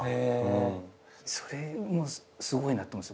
それもすごいなと思うんです。